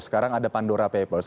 sekarang ada pandora papers